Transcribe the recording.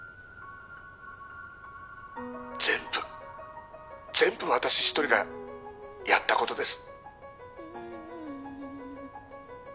全部全部私一人がやったことです